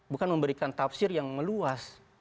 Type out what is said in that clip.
bukan memberikan tafsir yang meluas